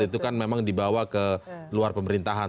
itu kan memang di bawa ke luar pemerintahan